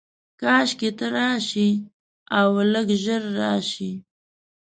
کاشکي ته راشې، اولږ ژر راشې